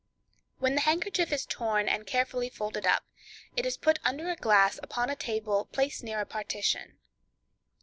When the handkerchief is torn and carefully folded up, it is put under a glass upon a table placed near a partition.